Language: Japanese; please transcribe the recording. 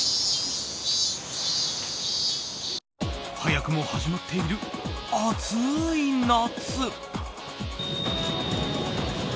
早くも始まっている暑い夏。